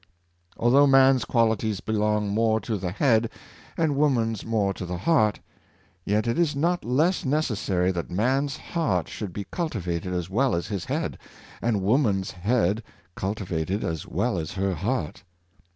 Although man's qualities belong more to the head, and woman's more to the heart, yet it is not less neces sary that man's heart should be cultivated as well as his head, and woman's head cultivated as well as her heart.